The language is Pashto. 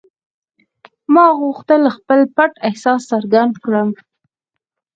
ما غوښتل خپل پټ احساس څرګند کړم